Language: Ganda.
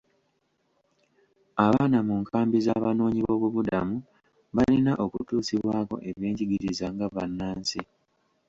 Abaana mu nkambi z'abanoonyi b'obubuddamu balina okutuusibwako eby'enjigiriza nga bannansi.